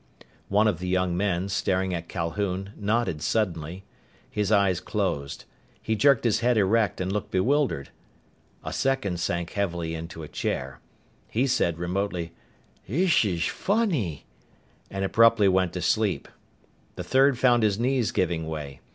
One of the young men, staring at Calhoun, nodded suddenly. His eyes closed. He jerked his head erect and looked bewildered. A second sank heavily into a chair. He said remotely, "Thish sfunny!" and abruptly went to sleep. The third found his knees giving way.